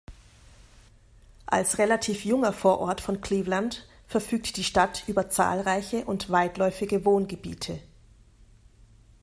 Als relativ junger Vorort von Cleveland verfügt die Stadt über zahlreiche und weitläufige Wohngebiete.